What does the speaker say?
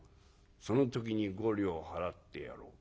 「その時に５両払ってやろう。